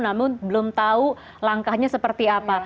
namun belum tahu langkahnya seperti apa